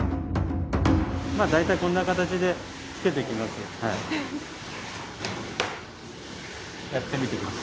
まあ大体こんな形でつけていきます。